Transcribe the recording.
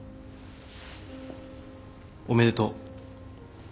おめでとう。